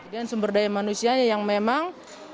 dan sumber daya manusia yang memang